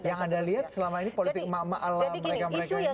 yang anda lihat selama ini politik emak emak ala mereka mereka ini